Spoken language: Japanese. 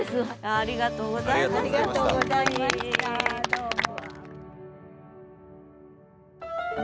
ありがとうございましたどうも。